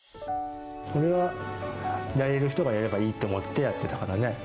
俺はやれる人がやればいいと思ってやってたからね。